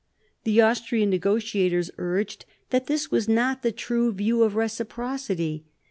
The Austrian negotiators urged that this was not the true view of reciprocity.